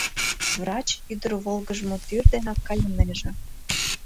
Врач ӱдыр волгыжмо тӱр денак кайынеже.